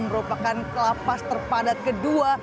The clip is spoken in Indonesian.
merupakan lapas terpadat kedua